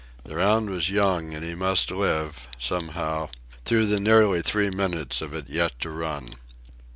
The round was young, and he must live, somehow, through the nearly three minutes of it yet to run.